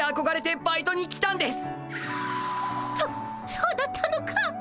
そそうだったのか。